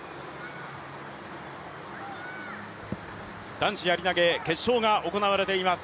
男子やり投げ決勝が行われています。